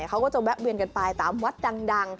เขาก็จะแวะเวียนกันไปตามวัดดัง